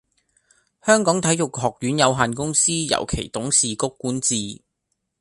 香港體育學院有限公司由其董事局管治